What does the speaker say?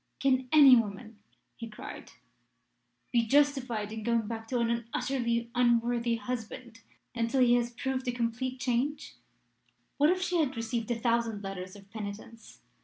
'Can any woman,' he cried, 'be justified in going back to an utterly unworthy husband until he has proved a complete change? What if she had received a thousand letters of penitence?